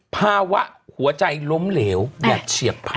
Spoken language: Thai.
ภาวะหัวใจล้มเหลวแบบเฉียบพันธ